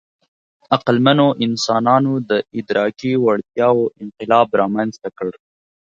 عقلمنو انسانانو د ادراکي وړتیاوو انقلاب رامنځ ته کړ.